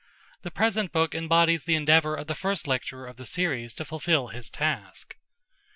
The present book embodies the endeavour of the first lecturer of the series to fulfil his task.